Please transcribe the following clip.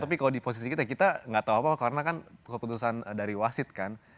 tapi kalau di posisi kita kita nggak tahu apa karena kan keputusan dari wasit kan